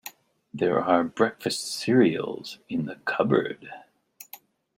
There are breakfast cereals in the cupboard.